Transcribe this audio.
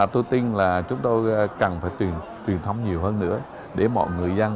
tôi tin là chúng tôi cần phải truyền thống nhiều hơn nữa để mọi người dân